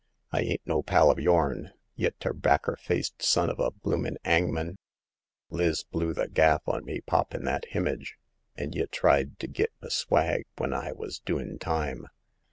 I ain't no pal of yourn, y' terbaccer faiced son of a bloomin' 'angman ! Liz blew the gaff on me poppin' that himage, and y' tried to git m* swag when I was doin' time.